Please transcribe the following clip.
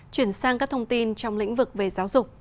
chuyển sang các thông tin trong lĩnh vực về giáo dục